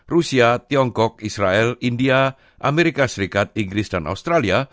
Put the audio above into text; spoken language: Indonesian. rusia tiongkok israel india amerika serikat inggris dan australia